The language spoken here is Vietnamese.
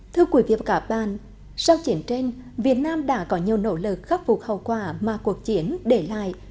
thưa quý vị và các bạn sau chiến tranh việt nam đã có nhiều nỗ lực khắc phục hậu quả mà cuộc chiến để lại